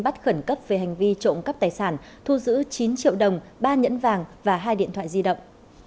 bắt khẩn cấp về hành vi trộm cắp tài sản thu giữ chín triệu đồng ba nhẫn vàng và hai điện thoại di động